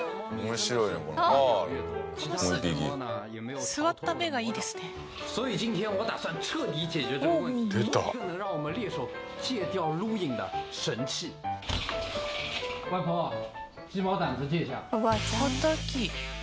はたき？